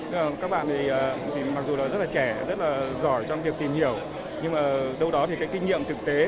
các bạn mặc dù rất là trẻ rất là giỏi trong việc tìm hiểu nhưng đâu đó kinh nghiệm thực tế